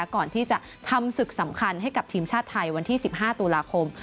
ก่อนที่จะทำศึกสำคัญให้กับทีมชาติไทยวันที่๑๕ตุลาคม